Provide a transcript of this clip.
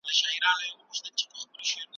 ایا انګلیسي ژبه د ساینس په برخه کي مرسته کوي؟